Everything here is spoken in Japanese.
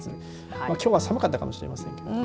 きょうは寒かったかもしれませんけどね。